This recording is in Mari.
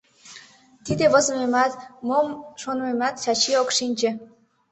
Тиде возымемат, мом шонымемат Чачи ок шинче.